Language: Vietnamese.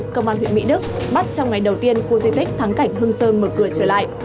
công an huyện mỹ đức bắt trong ngày đầu tiên khu di tích thắng cảnh hương sơn mở cửa trở lại